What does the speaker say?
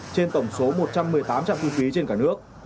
trên tổng số một trăm một mươi tám trạm thu phí trên cả nước